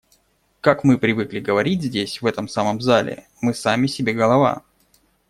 Как мы привыкли говорить здесь, в этом самом зале, "мы сами себе голова".